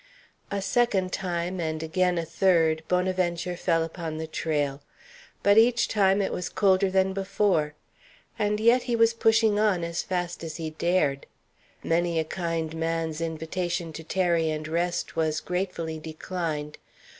A second time, and again a third, Bonaventure fell upon the trail. But each time it was colder than before. And yet he was pushing on as fast as he dared. Many a kind man's invitation to tarry and rest was gratefully declined.